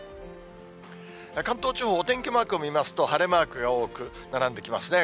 関東地方、お天気マークを見ますと、晴れマークが多く並んできますね。